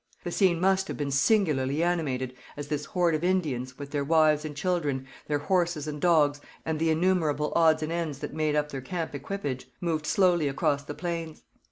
The scene must have been singularly animated as this horde of Indians, with their wives and children, their horses and dogs, and the innumerable odds and ends that made up their camp equipage, moved slowly across the plains.